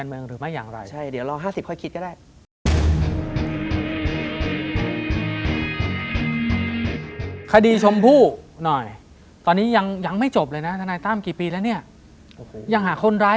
อย่างหาคนร้ายไม่เจอน้องชมพ่อตายเพราะอะไรแล้วทนายต้ำก็ถอนตัวออกมาใช่ไหม